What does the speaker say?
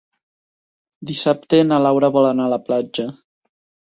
Dissabte na Laura vol anar a la platja.